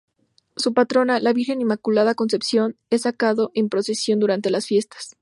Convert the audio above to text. Su patrona, la virgen Inmaculada Concepción, es sacada en procesión durante las fiestas.